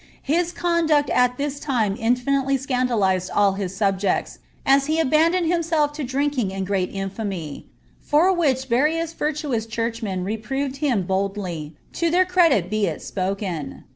His conduct at this tim« iufi niirly scandalized all his subjects, as he abandoned hitnseir to drinking and great infamy ; for which rarious virtuous chiin^hmen reproied hin boldly, to their eredit be it spoken.